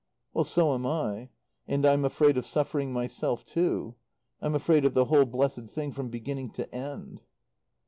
"Well, so am I. And I'm afraid of suffering myself too. I'm afraid of the whole blessed thing from beginning to end."